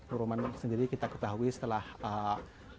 nur rohman sendiri kita ketahui setelah terjadi